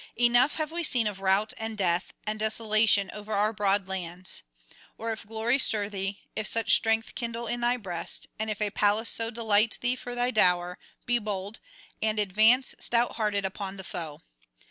Enough have we seen of rout and death, and desolation over our broad lands. Or if glory stir thee, if such strength kindle in thy breast, and if a palace so delight thee for thy dower, be bold, and advance stout hearted upon the foe.